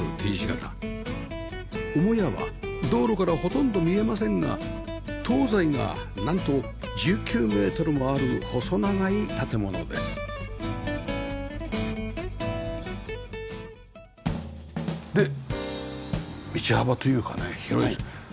母屋は道路からほとんど見えませんが東西がなんと１９メートルもある細長い建物ですで道幅というかね広いです。